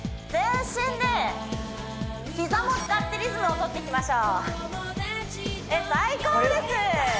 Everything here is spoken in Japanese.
全身で膝も使ってリズムを取っていきましょうえ最高です